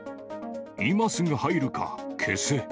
今すぐ入るか、消せ。